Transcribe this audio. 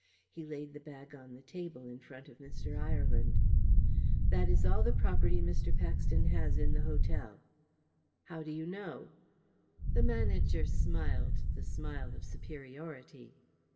He laid the bag on the table, in front of Mr. Ireland. "That is all the property Mr. Paxton has in the hotel." "How do you know?" The manager smiled the smile of superiority.